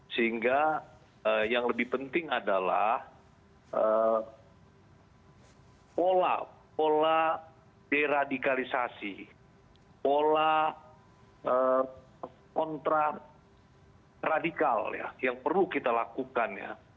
sehingga yang lebih penting adalah pola deradikalisasi pola kontraradikal yang perlu kita lakukan